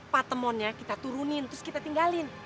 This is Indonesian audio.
pak temonnya kita turunin terus kita tinggalin